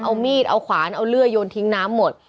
เอามีดเอาขวานเอาเลื่อยโยนทิ้งน้ำหมด